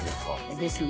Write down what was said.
ですね。